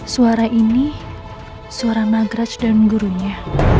suara ini suara nagraj dan gurunya